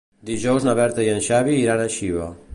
Dijous na Berta i en Xavi iran a Xiva.